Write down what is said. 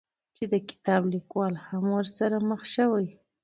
چې د کتاب ليکوال هم ورسره مخ شوى،